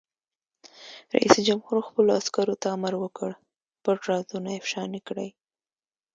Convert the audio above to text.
رئیس جمهور خپلو عسکرو ته امر وکړ؛ پټ رازونه افشا نه کړئ!